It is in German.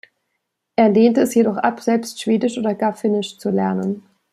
Er lehnte es jedoch ab, selbst Schwedisch oder gar Finnisch zu lernen.